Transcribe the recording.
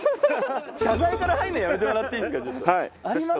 謝罪から入るのやめてもらっていいですかちょっと。